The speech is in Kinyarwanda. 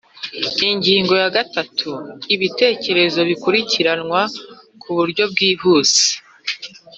Ingingo ya gatanu Ibirego bikurikiranwa ku buryo bwihuse